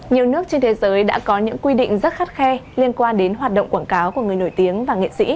nhiều nước trên thế giới đã có những quy định rất khắt khe liên quan đến hoạt động quảng cáo của người nổi tiếng và nghệ sĩ